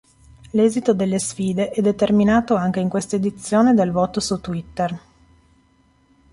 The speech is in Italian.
L'esito delle sfide è determinato anche in questa edizione dal voto su Twitter.